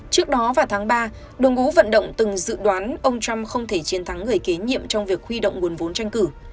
trước đó vào tháng ba đội ngũ vận động từng dự đoán ông trump không thể chiến thắng người kế nhiệm trong việc huy động nguồn vốn tranh cử